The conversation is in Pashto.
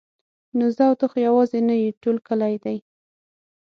نو زه او ته خو یوازې نه یو ټول کلی دی.